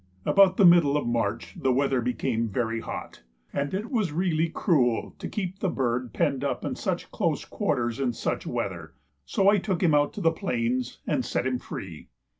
About the middle of March the weather became very hot, and it was really cruel to keep the bird penned up in such close quarters in such weather, so I took him out to the plains and set him free.